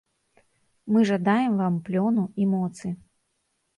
Мы жадаем вам плёну і моцы!